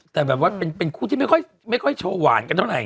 แต่แบบว่าเป็นคู่ที่ไม่ค่อยโชว์หวานกันเท่าไหร